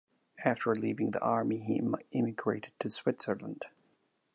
After leaving the army, he emigrated to Switzerland.